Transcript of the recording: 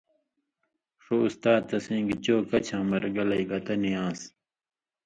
ݜُو اُستا تسیں گی چو کچھاں مرگلئ گتہ نی آن٘س